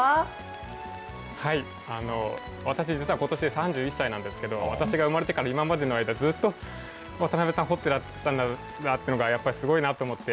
私、実はことしで３１歳なんですけど私が生まれてからこれまでの間ずっと渡邊さん掘っていらっしゃるんだというのがすごいなと思って。